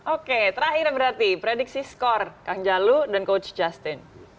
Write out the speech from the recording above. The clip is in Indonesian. oke terakhir berarti prediksi skor kang jalu dan coach justin